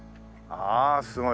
ああすごい